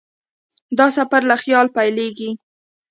دا سفر له خیال پیلېږي.